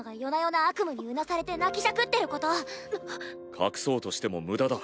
隠そうとしても無駄だ。